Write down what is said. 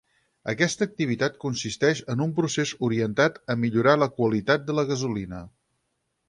Aquesta activitat consisteix en un procés orientat a millorar la qualitat de la gasolina.